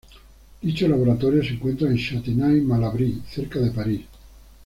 Dicho laboratorio se encuentra en Châtenay-Malabry, cerca de París.